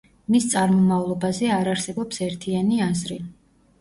მის წარმომავლობაზე არ არსებობს ერთიანი აზრი.